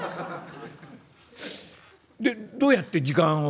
「でどうやって時間を？」。